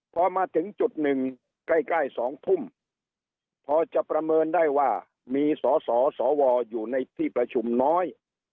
พอมาถึงจุดหนึ่งใกล้๒ทุ่มพอจะประเมินได้ว่ามีสสวอยู่ในที่ประชุมน้อย